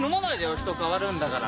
人変わるんだから。